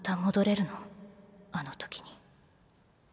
あの時に。